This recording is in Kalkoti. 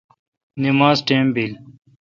نماز ٹیم بیل۔